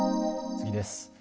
次です。